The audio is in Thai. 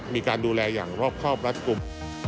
มีการดูแลอย่างรอบครอบรัดกลุ่ม